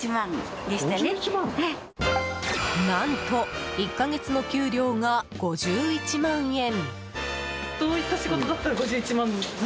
何と１か月の給料が５１万円！